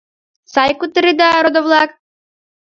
Сай кутыреда, родо-влак?